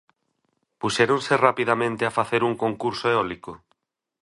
¿Puxéronse rapidamente a facer un concurso eólico?